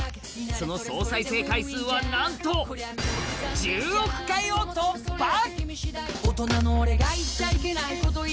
その総再生回数はなんと１０億回を突破！